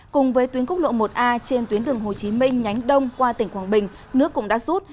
cùng với tuyến quốc lộ một a trên tuyến đường hồ chí minh nhánh đông qua tỉnh quảng bình nước cũng đã rút